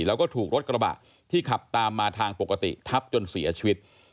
แล้วก็ถูกรถกระบะที่ขับตามมาทางปกติทับจนเสียชีวิต